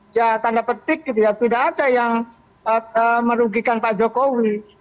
ya tanda petik gitu ya tidak ada yang merugikan pak jokowi